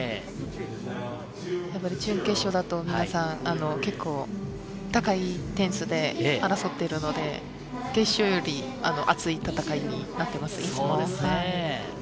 準決勝だと皆さん、高い点数で争っているので、決勝より熱い戦いになっています。